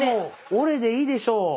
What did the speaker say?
「おれ」でいいでしょう。